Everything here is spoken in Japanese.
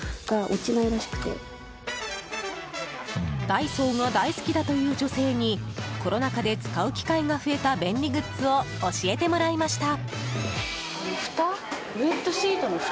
ダイソーが大好きだという女性にコロナ禍で使う機会が増えた便利グッズを教えてもらいました。